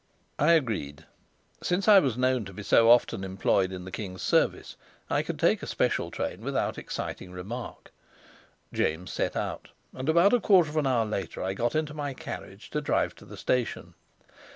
I agreed. Since I was known to be often employed in the king's service, I could take a special train without exciting remark. James set out, and about a quarter of an hour later I got into my carriage to drive to the station.